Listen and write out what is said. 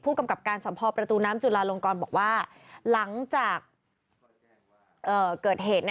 กำกับการสัมพอประตูน้ำจุลาลงกรบอกว่าหลังจากเกิดเหตุ